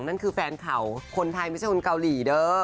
นั่นคือแฟนเขาคนไทยไม่ใช่คนเกาหลีเด้อ